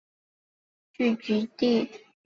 石门坎原为苗族一支大花苗的聚居地。